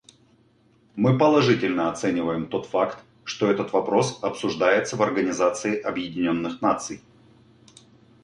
Мы положительно оцениваем тот факт, что этот вопрос обсуждается в Организации Объединенных Наций.